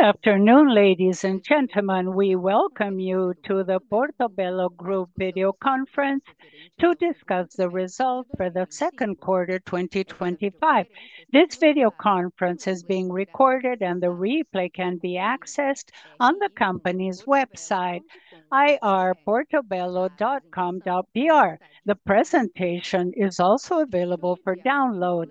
Good afternoon, ladies and gentlemen. We welcome you to the Portobello Group video conference to discuss the results for the second quarter 2025. This video conference is being recorded, and the replay can be accessed on the company's website, irportobello.com.br. The presentation is also available for download.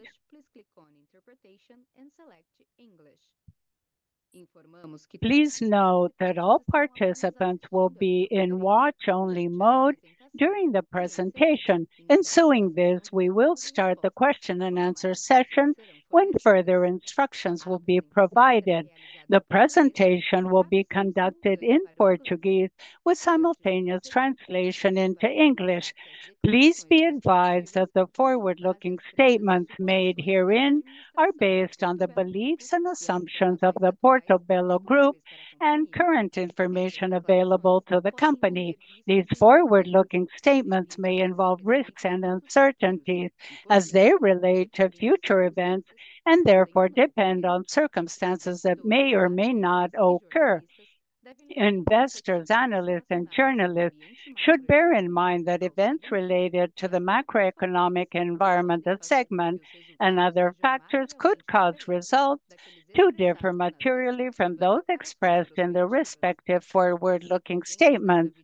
Please keep your interpretation in select English. Please note that all participants will be in watch-only mode during the presentation. In doing this, we will start the question and answer session when further instructions will be provided. The presentation will be conducted in Portuguese with simultaneous translation into English. Please be advised that the forward-looking statements made herein are based on the beliefs and assumptions of the Portobello Group and current information available to the company. These forward-looking statements may involve risks and uncertainties as they relate to future events and therefore depend on circumstances that may or may not occur. Investors, analysts, and journalists should bear in mind that events related to the macroeconomic environment, the segment, and other factors could cause results to differ materially from those expressed in the respective forward-looking statements.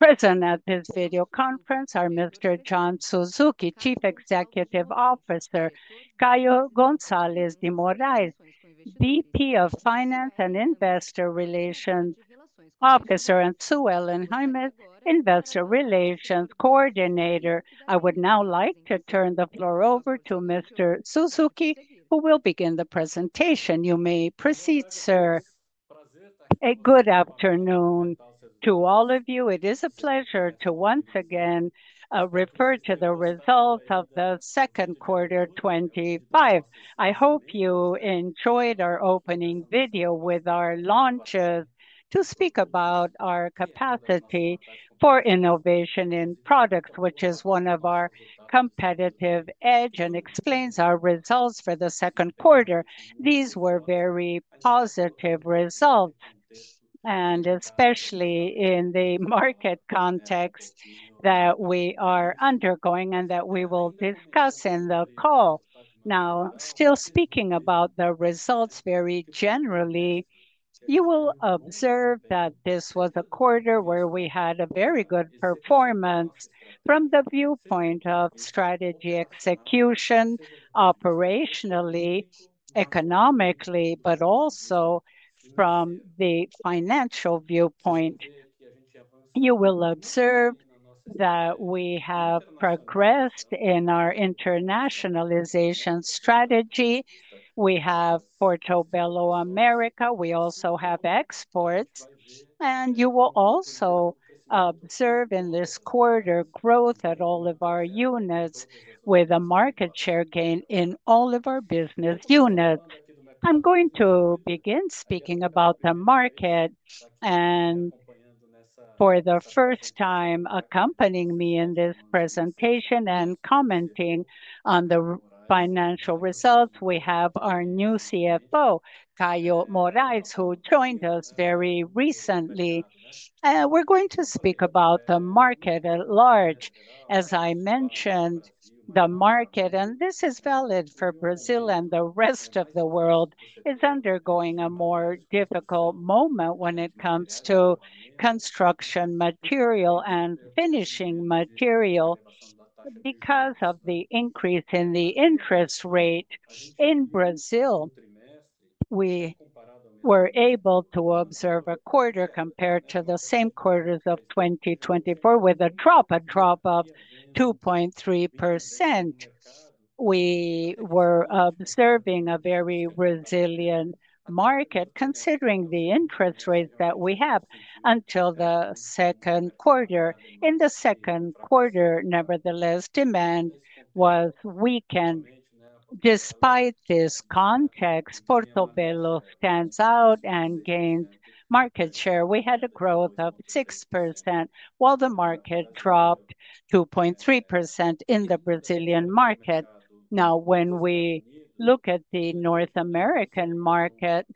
Present at this video conference are Mr. John Suzuki, Chief Executive Officer, Gayo Gonzalez de Morais, VP of Finance and Investor Relations, Officer, and Sue Ellen Heimes, Investor Relations Coordinator. I would now like to turn the floor over to Mr. Suzuki, who will begin the presentation. You may proceed, sir. A good afternoon to all of you. It is a pleasure to once again refer to the results of the second quarter 2025. I hope you enjoyed our opening video with our launches to speak about our capacity for innovation in products, which is one of our competitive edge and explains our results for the second quarter. These were very positive results, and especially in the market context that we are undergoing and that we will discuss in the call. Now, still speaking about the results very generally, you will observe that this was a quarter where we had a very good performance from the viewpoint of strategy execution, operationally, economically, but also from the financial viewpoint. You will observe that we have progressed in our internationalization strategy. We have Portobello America, we also have exports, and you will also observe in this quarter growth at all of our units with a market share gain in all of our business units. I'm going to begin speaking about the market, and for the first time, accompanying me in this presentation and commenting on the financial results, we have our new CFO, Gayo Gonzalez de Morais, who joined us very recently. We are going to speak about the market at large. As I mentioned, the market, and this is valid for Brazil and the rest of the world, is undergoing a more difficult moment when it comes to construction material and finishing material. Because of the increase in the interest rate in Brazil, we were able to observe a quarter compared to the same quarters of 2024 with a drop, a drop of 2.3%. We were observing a very resilient market considering the interest rates that we have until the second quarter. In the second quarter, nevertheless, demand was weakened. Despite this context, Portobello stands out and gains market share. We had a growth of 6% while the market dropped 2.3% in the Brazilian market. Now, when we look at the North American market,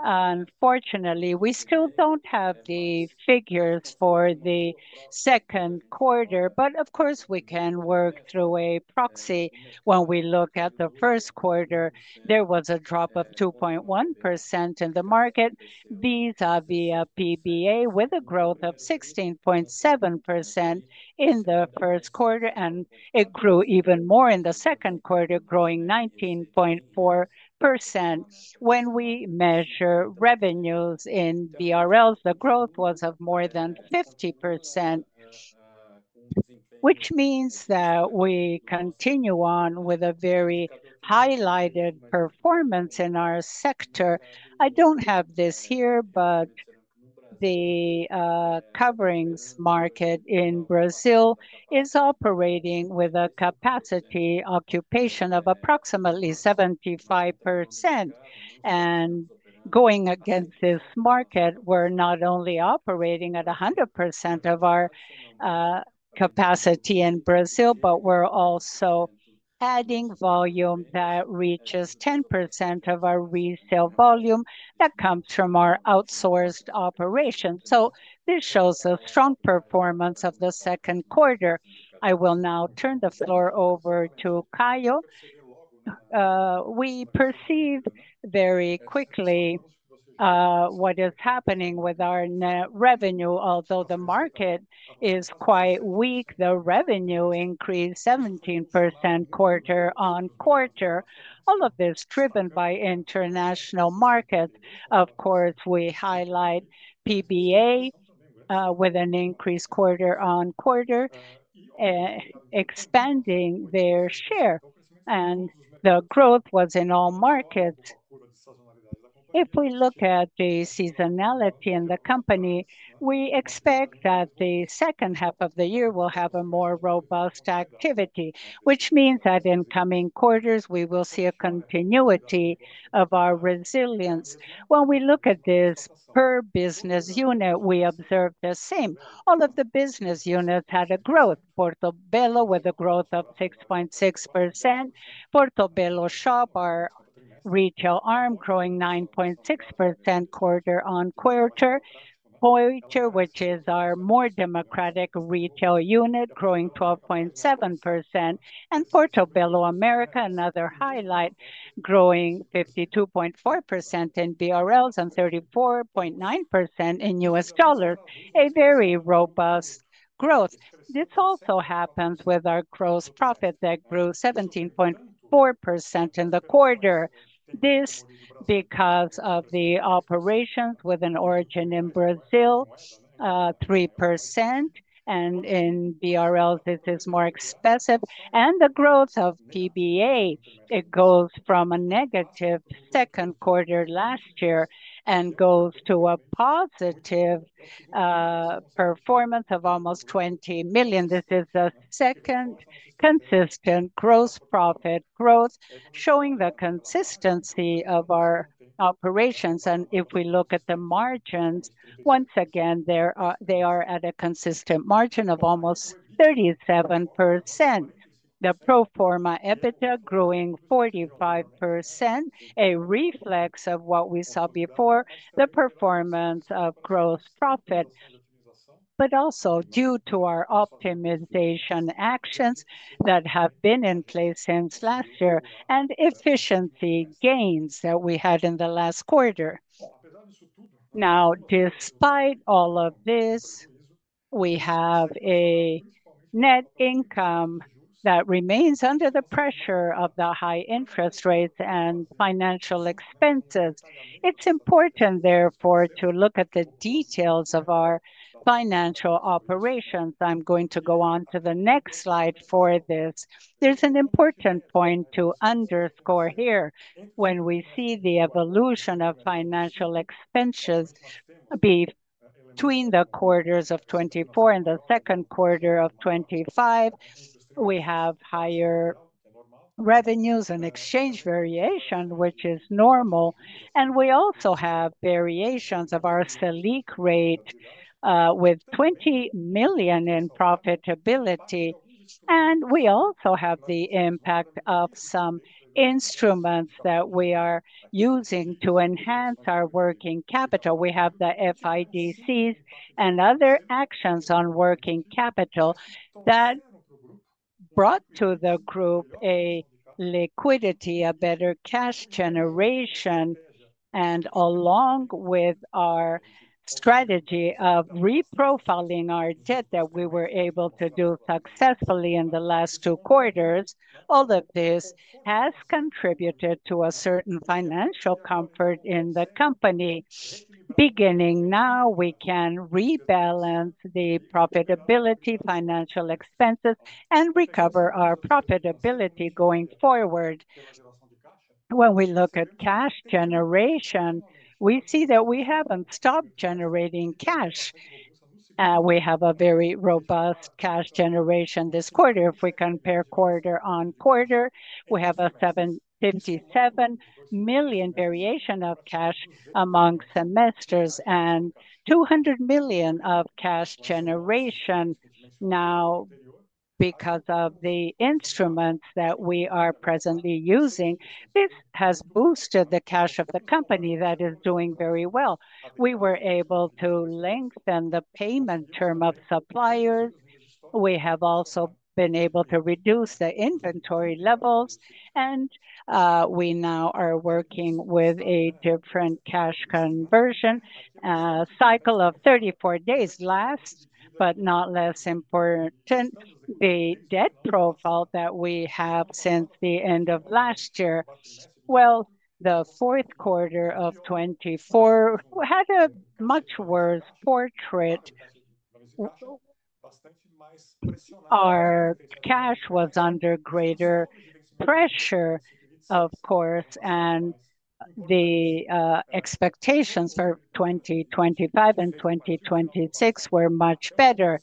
unfortunately, we still don't have the figures for the second quarter, but of course, we can work through a proxy. When we look at the first quarter, there was a drop of 2.1% in the market vis-à-vis PBG with a growth of 16.7% in the first quarter, and it grew even more in the second quarter, growing 19.4%. When we measure revenues in DRLs, the growth was of more than 50%, which means that we continue on with a very highlighted performance in our sector. I don't have this here, but the coverings market in Brazil is operating with a capacity occupation of approximately 75%. Going against this market, we're not only operating at 100% of our capacity in Brazil, but we're also adding volume that reaches 10% of our resale volume that comes from our outsourced operations. This shows a strong performance of the second quarter. I will now turn the floor over to Gayo. We perceive very quickly what is happening with our net revenue. Although the market is quite weak, the revenue increased 17% quarter-on-quarter. All of this is driven by international markets. Of course, we highlight PBG with an increase quarte-on-quarter, expanding their share, and the growth was in all markets. If we look at the seasonality in the company, we expect that the second half of the year will have a more robust activity, which means that in coming quarters, we will see a continuity of our resilience. When we look at this per business unit, we observe the same. All of the business units had a growth. Portobello with a growth of 6.6%. Portobello Shop, our retail arm, growing 9.6% quarte-on-quarter. Pointer, which is our more democratic retail unit, growing 12.7%. Portobello America, another highlight, growing 52.4% in DRLs and 34.9% in U.S. dollars. A very robust growth. This also happens with our gross profit that grew 17.4% in the quarter. This is because of the operations with an origin in Brazil of 3%, and in DRLs, this is more expensive. The growth of PBG goes from a negative second quarter last year and goes to a positive performance of almost $20 million. This is the second consistent gross profit growth, showing the consistency of our operations. If we look at the margins, once again, they are at a consistent margin of almost 37%. The pro forma EBITDA growing 45%, a reflex of what we saw before, the performance of gross profit, but also due to our optimization actions that have been in place since last year and efficiency gains that we had in the last quarter. Now, despite all of this, we have a net income that remains under the pressure of the high interest rates and financial expenses. It's important, therefore, to look at the details of our financial operations. I'm going to go on to the next slide for this. There's an important point to underscore here. When we see the evolution of financial expenses between the quarters of 2024 and the second quarter of 2025, we have higher revenues and exchange variation, which is normal. We also have variations of our SELIC rate with $20 million in profitability. We also have the impact of some instruments that we are using to enhance our working capital. We have the FIDCs and other actions on working capital that brought to the group a liquidity, a better cash generation, and along with our strategy of reprofiling our debt that we were able to do successfully in the last two quarters. All of this has contributed to a certain financial comfort in the company. Beginning now, we can rebalance the profitability, financial expenses, and recover our profitability going forward. When we look at cash generation, we see that we haven't stopped generating cash. We have a very robust cash generation this quarter. If we compare quarte-on-quarter, we have a $57 million variation of cash among semesters and $200 million of cash generation. Now, because of the instruments that we are presently using, this has boosted the cash of the company that is doing very well. We were able to lengthen the payment term of suppliers. We have also been able to reduce the inventory levels, and we now are working with a different cash conversion cycle of 34 days. Last but not less important, the debt profile that we have since the end of last year. The fourth quarter of 2024 had a much worse portrait. Our cash was under greater pressure, of course, and the expectations for 2025 and 2026 were much better.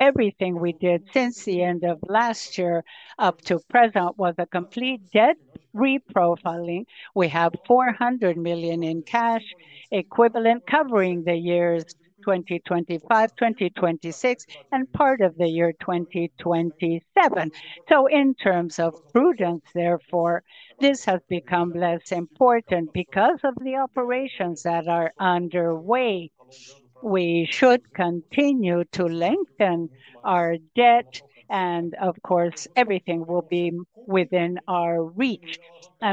Everything we did since the end of last year up to present was a complete debt reprofiling. We have $400 million in cash equivalent covering the years 2025, 2026, and part of the year 2027. In terms of prudence, therefore, this has become less important because of the operations that are underway. We should continue to lengthen our debt, and of course, everything will be within our reach.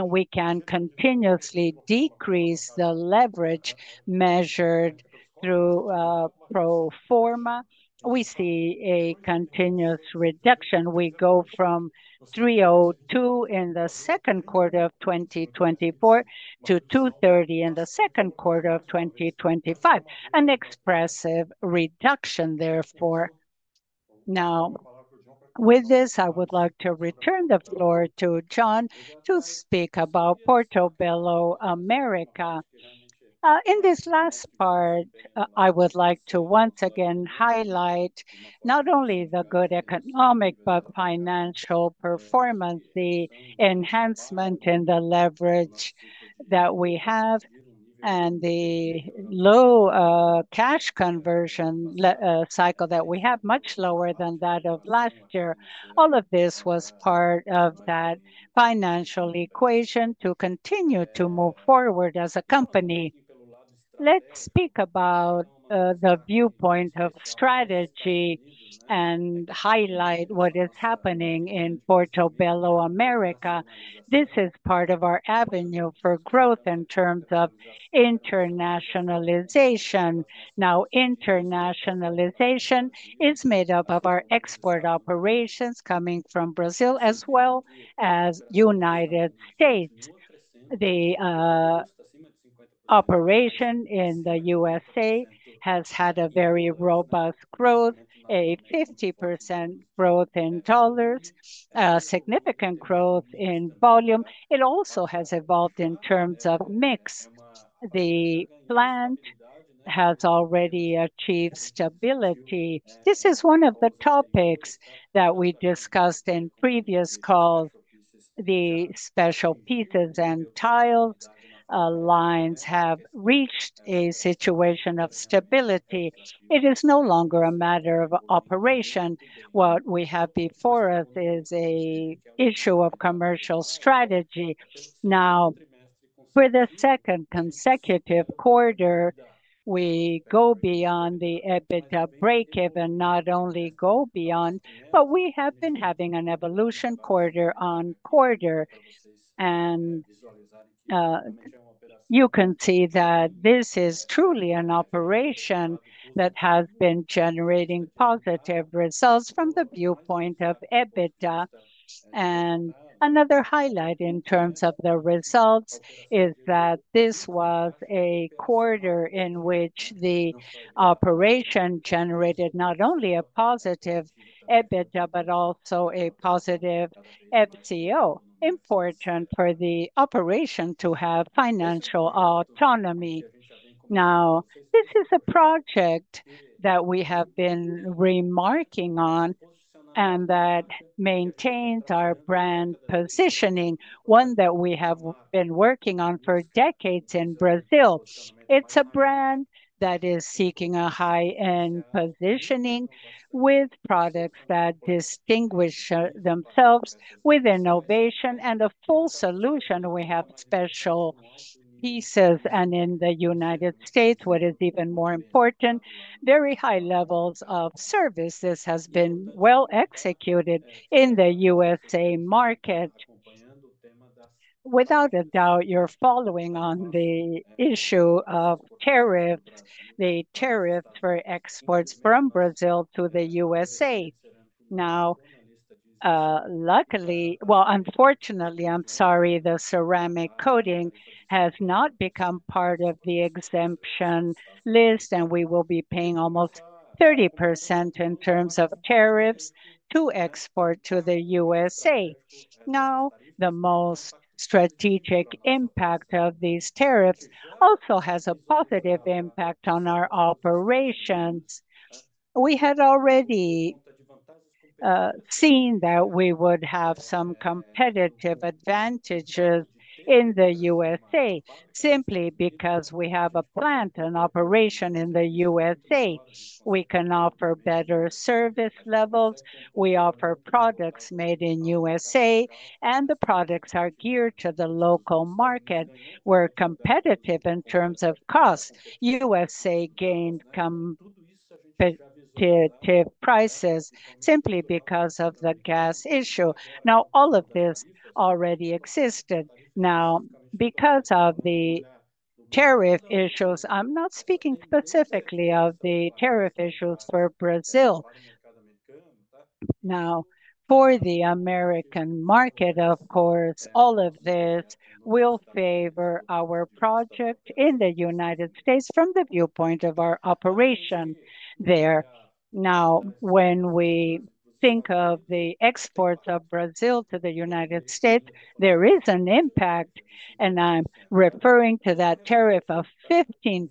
We can continuously decrease the leverage measured through pro forma. We see a continuous reduction. We go from $302 million in the second quarter of 2024 to $230 million in the second quarter of 2025. An expressive reduction, therefore. With this, I would like to return the floor to John to speak about Portobello America. In this last part, I would like to once again highlight not only the good economic, but financial performance, the enhancement in the leverage that we have, and the low cash conversion cycle that we have, much lower than that of last year. All of this was part of that financial equation to continue to move forward as a company. Let's speak about the viewpoint of strategy and highlight what is happening in Portobello America. This is part of our avenue for growth in terms of internationalization. Internationalization is made up of our export operations coming from Brazil, as well as the United States. The operation in the U.S. has had a very robust growth, a 50% growth in dollars, a significant growth in volume. It also has evolved in terms of mix. The plant has already achieved stability. This is one of the topics that we discussed in previous calls. The special pieces and tiles lines have reached a situation of stability. It is no longer a matter of operation. What we have before us is an issue of commercial strategy. For the second consecutive quarter, we go beyond the EBITDA breakeven, not only go beyond, but we have been having an evolution quarte-on-quarter. You can see that this is truly an operation that has been generating positive results from the viewpoint of EBITDA. Another highlight in terms of the results is that this was a quarter in which the operation generated not only a positive EBITDA, but also a positive FCO, important for the operation to have financial autonomy. Now, this is a project that we have been remarking on and that maintains our brand positioning, one that we have been working on for decades in Brazil. It's a brand that is seeking a high-end positioning with products that distinguish themselves with innovation and a full solution. We have special pieces, and in the United States, what is even more important, very high levels of service. This has been well executed in the U.S. market. Without a doubt, you're following on the issue of tariffs, the tariffs for exports from Brazil to the U.S. Unfortunately, the ceramic coating has not become part of the exemption list, and we will be paying almost 30% in terms of tariffs to export to the U.S. The most strategic impact of these tariffs also has a positive impact on our operations. We had already seen that we would have some competitive advantages in the U.S. simply because we have a plant, an operation in the U.S. We can offer better service levels. We offer products made in the U.S., and the products are geared to the local market. We're competitive in terms of cost. The U.S. gained competitive prices simply because of the gas issue. All of this already existed. Because of the tariff issues, I'm not speaking specifically of the tariff issues for Brazil. For the American market, of course, all of this will favor our project in the United States from the viewpoint of our operation there. When we think of the exports of Brazil to the United States, there is an impact, and I'm referring to that tariff of 15%.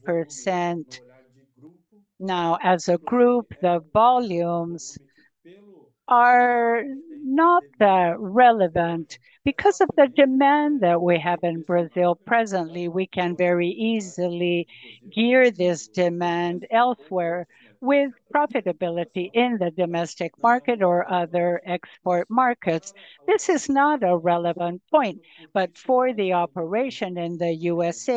As a group, the volumes are not that relevant. Because of the demand that we have in Brazil presently, we can very easily gear this demand elsewhere with profitability in the domestic market or other export markets. This is not a relevant point, but for the operation in the U.S.,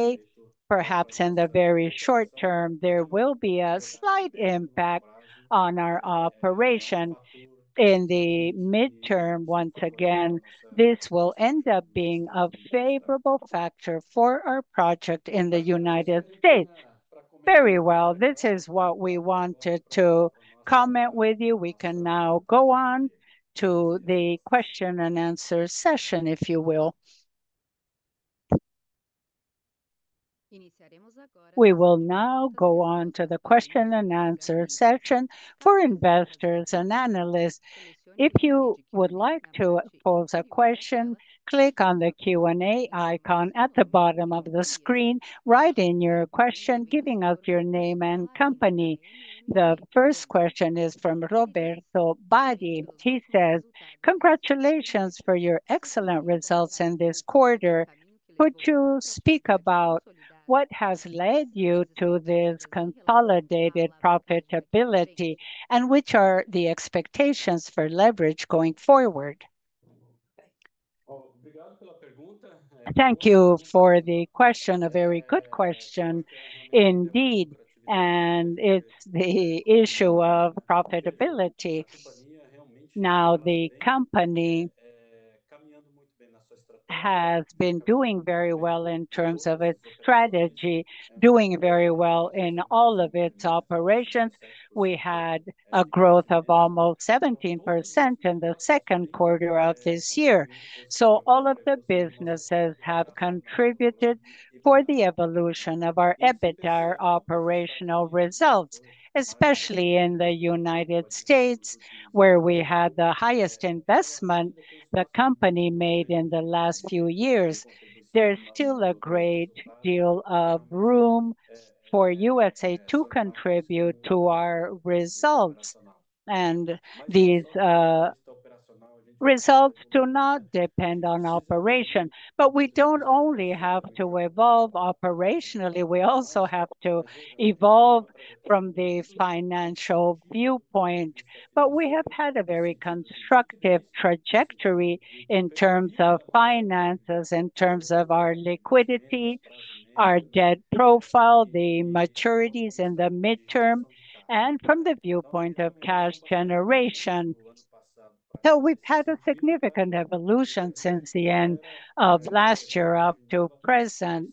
perhaps in the very short term, there will be a slight impact on our operation. In the midterm, once again, this will end up being a favorable factor for our project in the United States. This is what we wanted to comment with you. We can now go on to the question and answer session, if you will. We will now go on to the question and answer session for investors and analysts. If you would like to pose a question, click on the Q&A icon at the bottom of the screen, writing your question, giving us your name and company. The first question is from Roberto Badi. He says, "Congratulations for your excellent results in this quarter. Could you speak about what has led you to this consolidated profitability and which are the expectations for leverage going forward?" Thank you for the question. A very good question indeed. It's the issue of profitability. Now, the company has been doing very well in terms of its strategy, doing very well in all of its operations. We had a growth of almost 17% in the second quarter of this year. All of the businesses have contributed for the evolution of our EBITDA operational results, especially in the United States, where we had the highest investment the company made in the last few years. There's still a great deal of room for the United States to contribute to our results. These results do not depend on operation. We don't only have to evolve operationally, we also have to evolve from the financial viewpoint. We have had a very constructive trajectory in terms of finances, in terms of our liquidity, our debt profile, the maturities in the midterm, and from the viewpoint of cash generation. We've had a significant evolution since the end of last year up to present.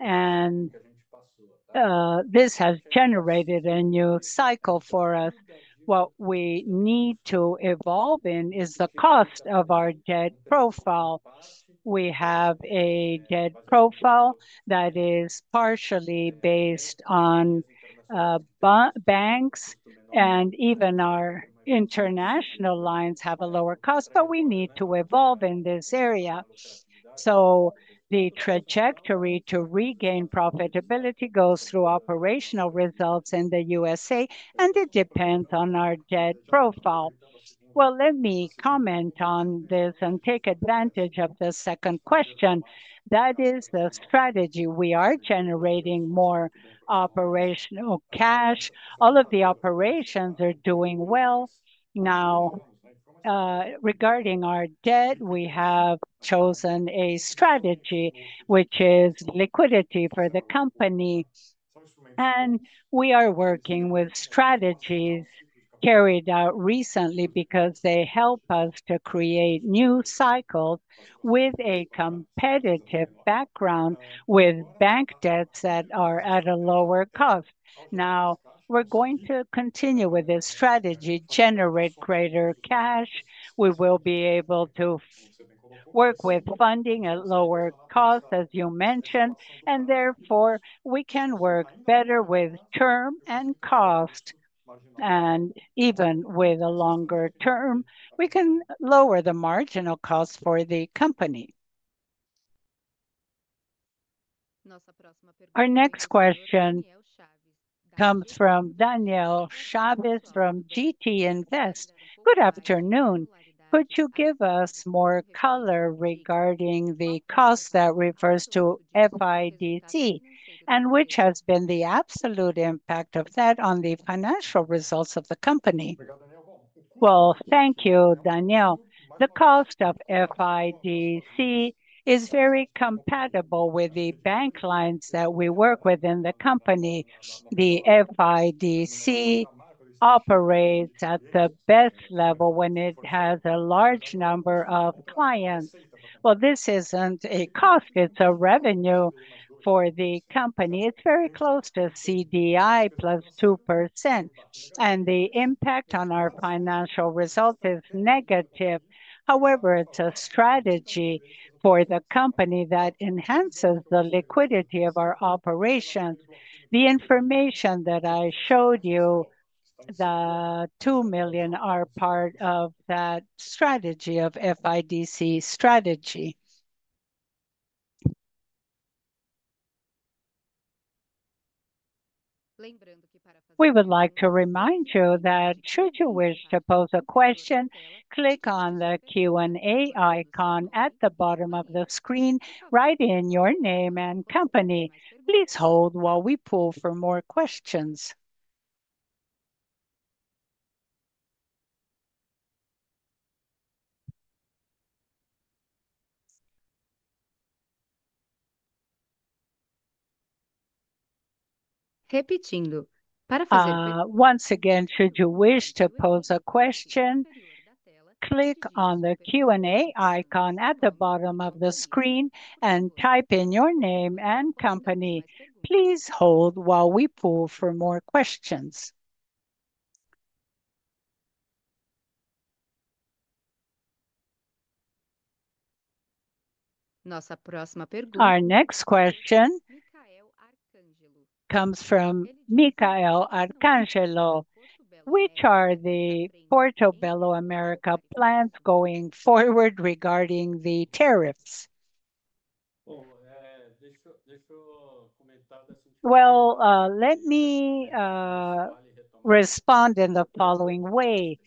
This has generated a new cycle for us. What we need to evolve in is the cost of our debt profile. We have a debt profile that is partially based on banks, and even our international lines have a lower cost, but we need to evolve in this area. The trajectory to regain profitability goes through operational results in the U.S., and it depends on our debt profile. Let me comment on this and take advantage of the second question. That is the strategy. We are generating more operational cash. All of the operations are doing well. Now, regarding our debt, we have chosen a strategy, which is liquidity for the company. We are working with strategies carried out recently because they help us to create new cycles with a competitive background, with bank debts that are at a lower cost. Now, we're going to continue with this strategy, generate greater cash. We will be able to work with funding at lower costs, as you mentioned. Therefore, we can work better with term and cost. Even with a longer term, we can lower the marginal cost for the company. Our next question comes from Daniel Chavez from GT Invest. Good afternoon. Could you give us more color regarding the cost that refers to FIDCs and which has been the absolute impact of that on the financial results of the company? Thank you, Daniel. The cost of FIDCs is very compatible with the bank lines that we work with in the company. The FIDC operates at the best level when it has a large number of clients. This isn't a cost. It's a revenue for the company. It's very close to CDI +2%. The impact on our financial result is negative. However, it's a strategy for the company that enhances the liquidity of our operations. The information that I showed you, the $2 million, are part of that FIDC strategy. We would like to remind you that should you wish to pose a question, click on the Q&A icon at the bottom of the screen, write in your name and company. Please hold while we pull for more questions. Once again, should you wish to pose a question, click on the Q&A icon at the bottom of the screen and type in your name and company. Please hold while we pull for more questions. Our next question comes from Michael Arcangelo. Which are the Portobello America plans going forward regarding the tariffs? Let me respond in the following way.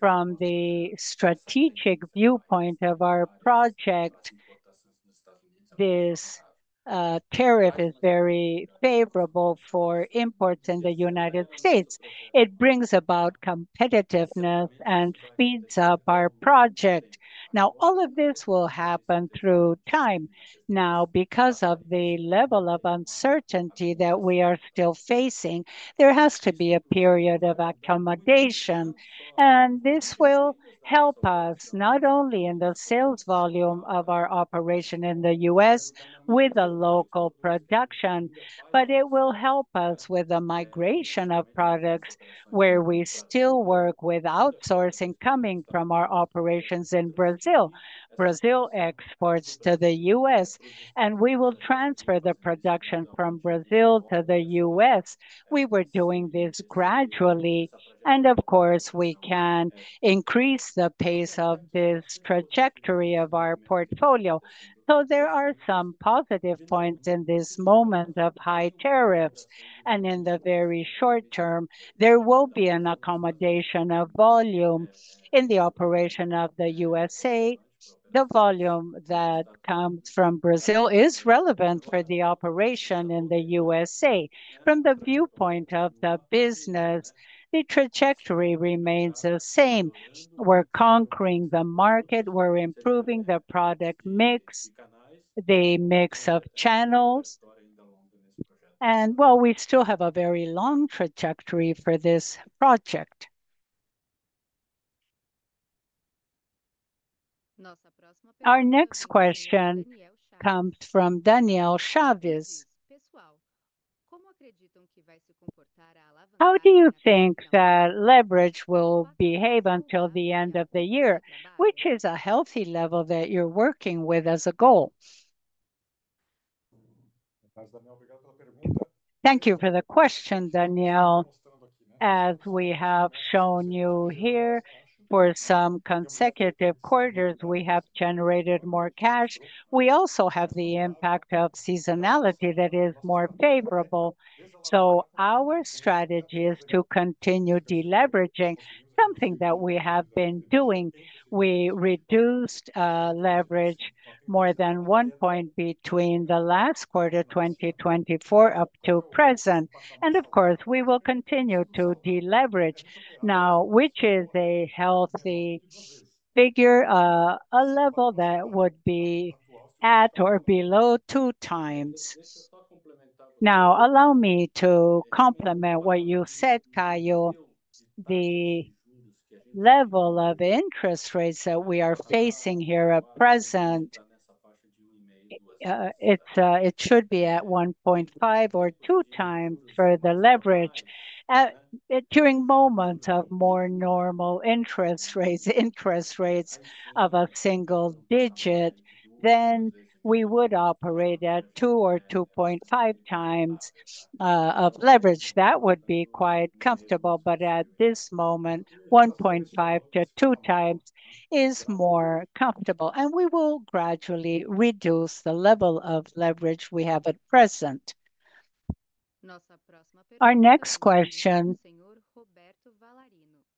From the strategic viewpoint of our project, this tariff is very favorable for imports in the United States. It brings about competitiveness and speeds up our project. All of this will happen through time. Now, because of the level of uncertainty that we are still facing, there has to be a period of accommodation. This will help us not only in the sales volume of our operation in the U.S. with the local production, but it will help us with the migration of products where we still work with outsourcing coming from our operations in Brazil. Brazil exports to the U.S., and we will transfer the production from Brazil to the U.S. We were doing this gradually, and of course, we can increase the pace of this trajectory of our portfolio. There are some positive points in this moment of high tariffs, and in the very short term, there will be an accommodation of volume in the operation of the United States. The volume that comes from Brazil is relevant for the operation in the United States. From the viewpoint of the business, the trajectory remains the same. We're conquering the market. We're improving the product mix, the mix of channels. We still have a very long trajectory for this project. Our next question comes from Daniel Chavez. How do you think that leverage will behave until the end of the year, which is a healthy level that you're working with as a goal? Thank you for the question, Daniel. As we have shown you here, for some consecutive quarters, we have generated more cash. We also have the impact of seasonality that is more favorable. Our strategy is to continue deleveraging, something that we have been doing. We reduced leverage more than one point between the last quarter 2024 up to present. Of course, we will continue to deleverage. Now, which is a healthy figure, a level that would be at or below two times. Allow me to complement what you said, Gayo. The level of interest rates that we are facing here at present, it should be at 1.5 or 2 times for the leverage. During moments of more normal interest rates, interest rates of a single digit, we would operate at 2 or 2.5 times of leverage. That would be quite comfortable, but at this moment, 1.5-2 times is more comfortable. We will gradually reduce the level of leverage we have at present. Our next question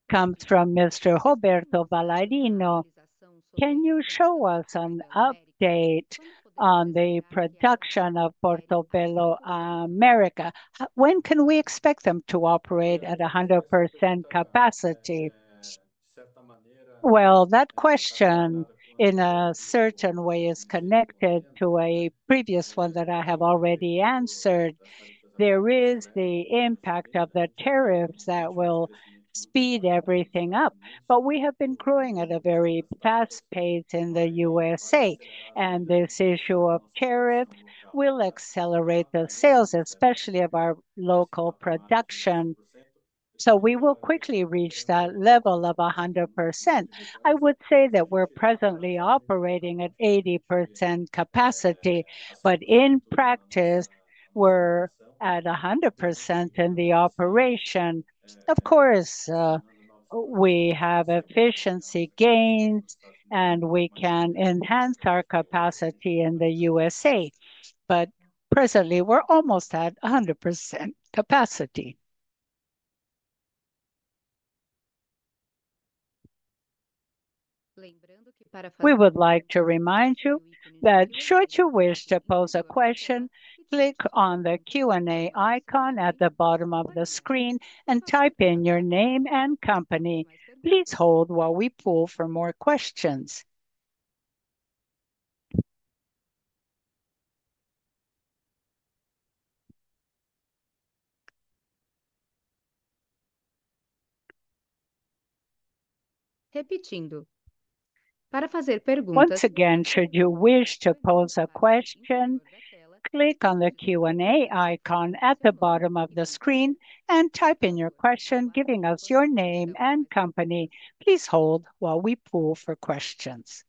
comes from Mr. Roberto Valadino. Can you show us an update on the production of Portobello America? When can we expect them to operate at 100% capacity? That question, in a certain way, is connected to a previous one that I have already answered. There is the impact of the tariffs that will speed everything up. We have been growing at a very fast pace in the United States. This issue of tariffs will accelerate the sales, especially of our local production. We will quickly reach that level of 100%. I would say that we're presently operating at 80% capacity, but in practice, we're at 100% in the operation. Of course, we have efficiency gains, and we can enhance our capacity in the United States. Presently, we're almost at 100% capacity. We would like to remind you that should you wish to pose a question, click on the Q&A icon at the bottom of the screen and type in your name and company. Please hold while we pull for more questions. Once again, should you wish to pose a question, click on the Q&A icon at the bottom of the screen and type in your question, giving us your name and company. Please hold while we pull for questions.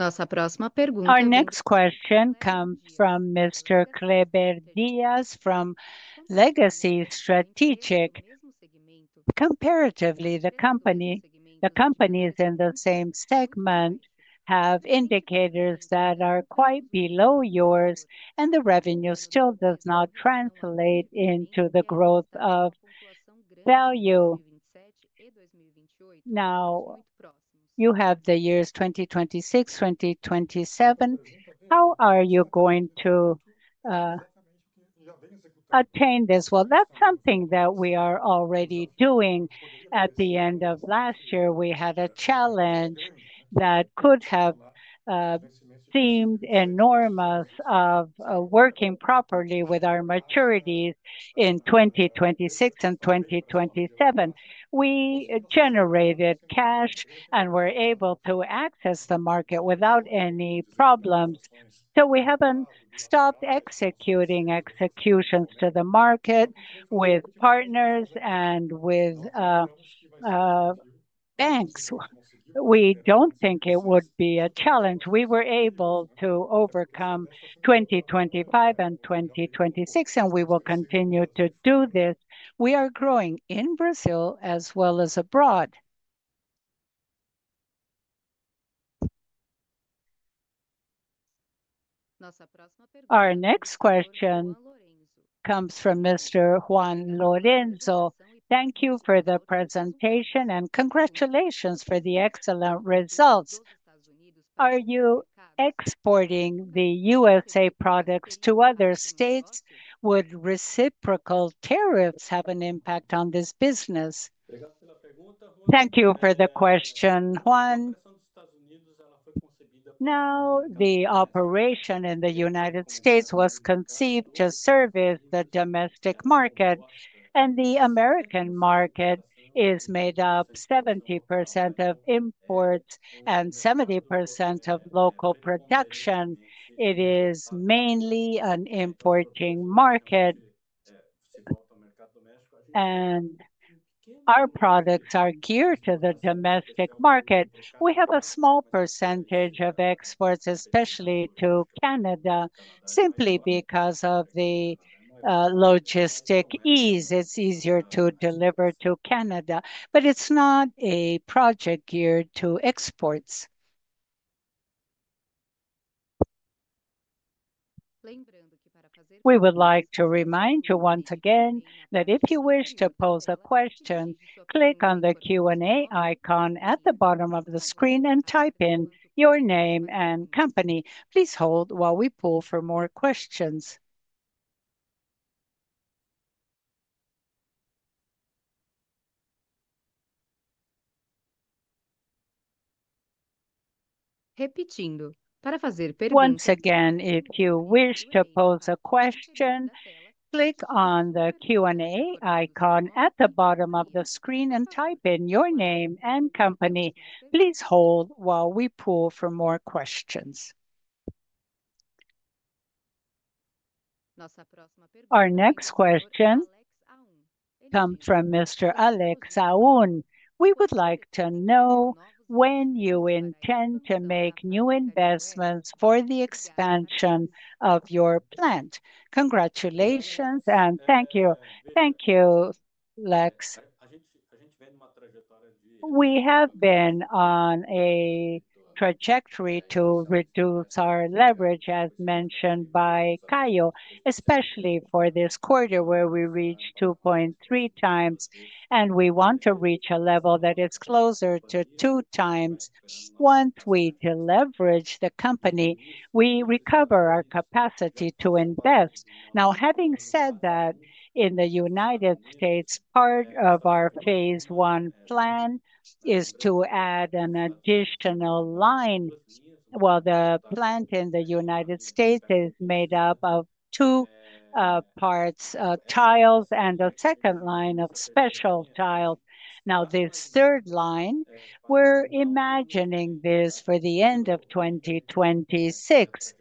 Our next question comes from Mr. Kleber Diaz from Legacy Strategic. Comparatively, the companies in the same segment have indicators that are quite below yours, and the revenue still does not translate into the growth of value. You have the years 2026, 2027. How are you going to attain this? That's something that we are already doing. At the end of last year, we had a challenge that could have seemed enormous of working properly with our maturities in 2026 and 2027. We generated cash and were able to access the market without any problems. We haven't stopped executing executions to the market with partners and with banks. We don't think it would be a challenge. We were able to overcome 2025 and 2026, and we will continue to do this. We are growing in Brazil as well as abroad. Our next question comes from Mr. Juan Lorenzo. Thank you for the presentation and congratulations for the excellent results. Are you exporting the U.S.A. products to other states? Would reciprocal tariffs have an impact on this business? Thank you for the question, Juan. Now, the operation in the United States was conceived to service the domestic market, and the American market is made up 70% of imports and 70% of local production. It is mainly an importing market, and our products are geared to the domestic market. We have a small percentage of exports, especially to Canada, simply because of the logistic ease. It's easier to deliver to Canada, but it's not a project geared to exports. We would like to remind you once again that if you wish to pose a question, click on the Q&A icon at the bottom of the screen and type in your name and company. Please hold while we pull for more questions. Once again, if you wish to pose a question, click on the Q&A icon at the bottom of the screen and type in your name and company. Please hold while we pull for more questions. Our next question comes from Mr. Alex Saun. We would like to know when you intend to make new investments for the expansion of your plant. Congratulations and thank you. Thank you, Alex. We have been on a trajectory to reduce our leverage, as mentioned by Gayo, especially for this quarter where we reached 2.3 times, and we want to reach a level that is closer to 2 times. Once we deleverage the company, we recover our capacity to invest. Now, having said that, in the United States, part of our phase I plan is to add an additional line. The plant in the United States is made up of two parts of tiles and a second line of special tiles. This third line, we're imagining this for the end of 2026.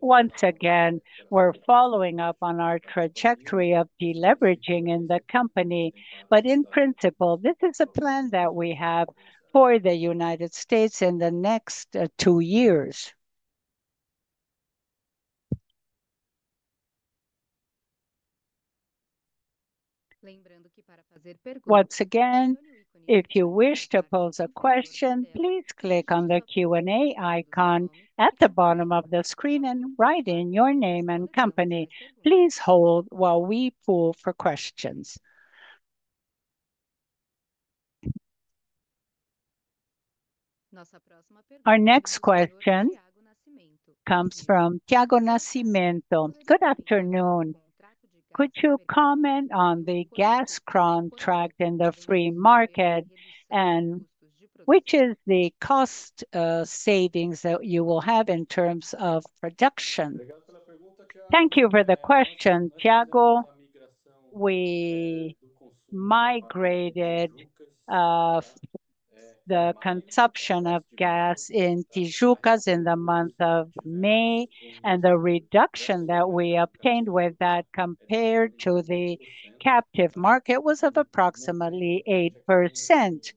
Once again, we're following up on our trajectory of deleveraging in the company, but in principle, this is a plan that we have for the United States in the next two years. Once again, if you wish to pose a question, please click on the Q&A icon at the bottom of the screen and write in your name and company. Please hold while we pull for questions. Our next question comes from Tiago Nascimento. Good afternoon. Could you comment on the gas contract in the free market and which is the cost savings that you will have in terms of production? Thank you for the question, Tiago. We migrated the consumption of gas in Tijucas in the month of May, and the reduction that we obtained with that compared to the captive market was of approximately 8%.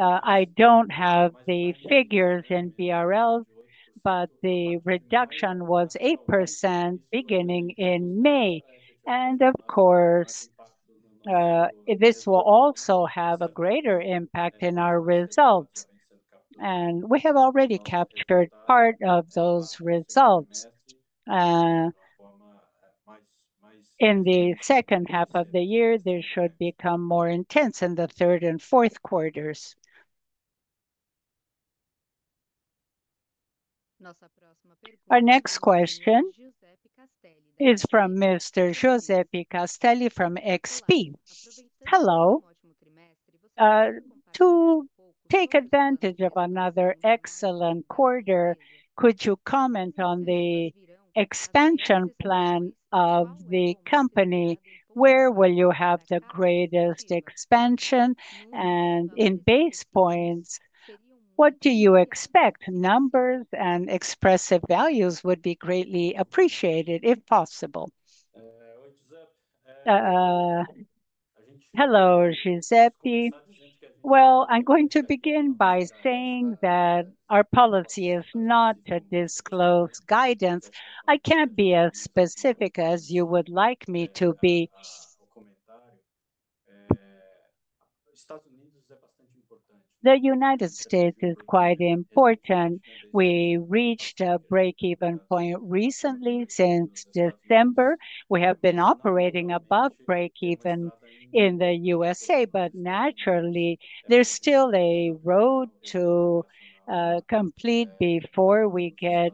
I don't have the figures in DRLs, but the reduction was 8% beginning in May. Of course, this will also have a greater impact in our results. We have already captured part of those results. In the second half of the year, this should become more intense in the third and fourth quarters. Our next question is from Mr. Giuseppe Castelli from XP. Hello. To take advantage of another excellent quarter, could you comment on the expansion plan of the company? Where will you have the greatest expansion? In base points, what do you expect? Numbers and expressive values would be greatly appreciated if possible. Hello, Giuseppe. I'm going to begin by saying that our policy is not to disclose guidance. I can't be as specific as you would like me to be. The United States is quite important. We reached a break-even point recently since December. We have been operating above break-even in the United States, but naturally, there's still a road to complete before we get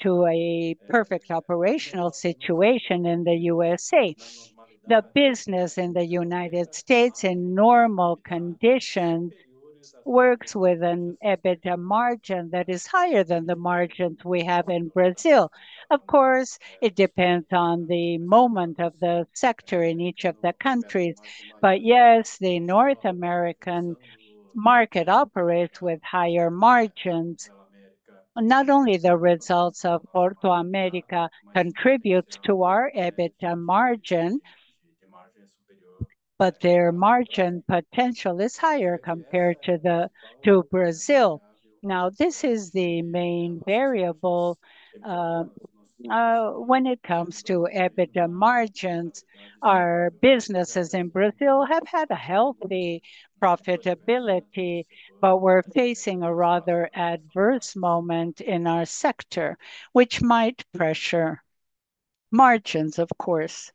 to a perfect operational situation in the United States. The business in the United States, in normal conditions, works with an EBITDA margin that is higher than the margins we have in Brazil. Of course, it depends on the moment of the sector in each of the countries. Yes, the North American market operates with higher margins. Not only the results of Portobello America contribute to our EBITDA margin, but their margin potential is higher compared to Brazil. This is the main variable when it comes to EBITDA margins. Our businesses in Brazil have had a healthy profitability, but we're facing a rather adverse moment in our sector, which might pressure margins, of course.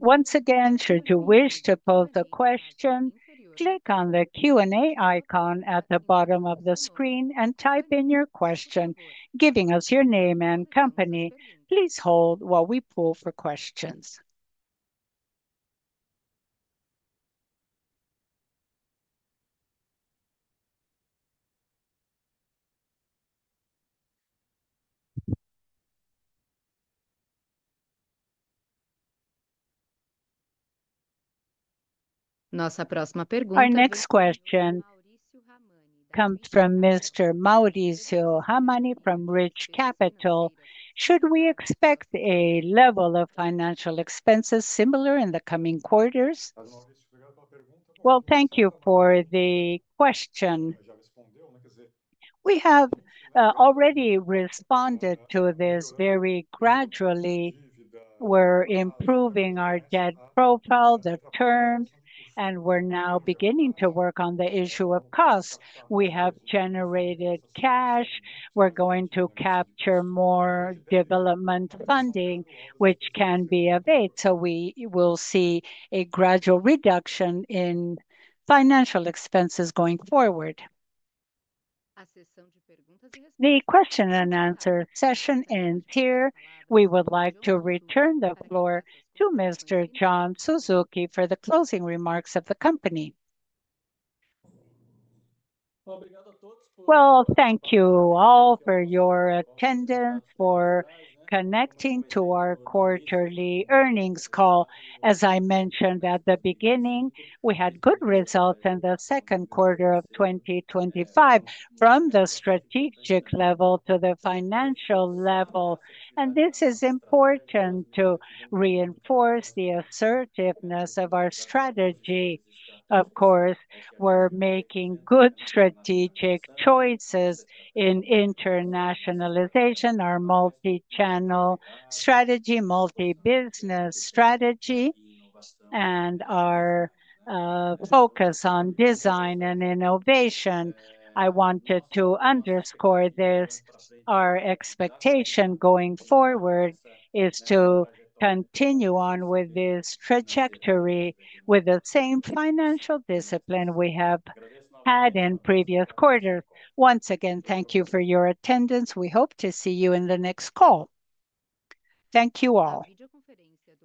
Once again, should you wish to pose a question, click on the Q&A icon at the bottom of the screen and type in your question, giving us your name and company. Please hold while we pull for questions. Our next question comes from Mr. Maurizio Hamani from Rich Capital. Should we expect a level of financial expenses similar in the coming quarters? Thank you for the question. We have already responded to this very gradually. We're improving our debt profile, the terms, and we're now beginning to work on the issue of costs. We have generated cash. We're going to capture more development funding, which can be of aid. We will see a gradual reduction in financial expenses going forward. The question-and-answer session ends here. We would like to return the floor to Mr. John Suzuki for the closing remarks of the company. Thank you all for your attendance, for connecting to our quarterly earnings call. As I mentioned at the beginning, we had good results in the second quarter of 2025 from the strategic level to the financial level. This is important to reinforce the assertiveness of our strategy. Of course, we're making good strategic choices in internationalization, our multi-channel strategy, multi-business strategy, and our focus on design and innovation. I wanted to underscore this. Our expectation going forward is to continue on with this trajectory with the same financial discipline we have had in previous quarters. Once again, thank you for your attendance. We hope to see you in the next call. Thank you all.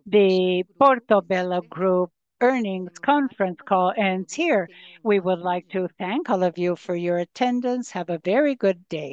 The Portobello Group earnings conference call ends here. We would like to thank all of you for your attendance. Have a very good day.